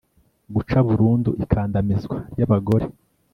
guca burundu ikandamizwa ry'abagore